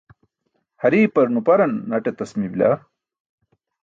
Hariipar nuparan naṭ etas meeybila.